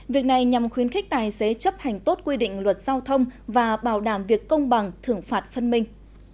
việc này nhằm khuyến khích tài xế chấp hành tốt quy định luật giao thông và bảo đảm việc công bằng thưởng phạt phân minh